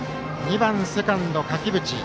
２番セカンド、垣淵。